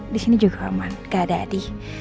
disini juga aman gak ada adi